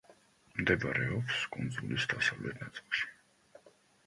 მდებარეობს კუნძულის დასავლეთ ნაწილში.